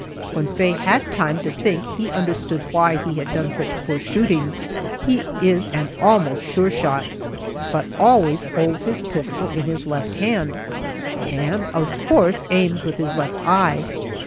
When Faye had time to think he understood why he had done such poor shooting. He is an almost sure shot, but always holds his pistol in his left hand, and of course aims with his left eye.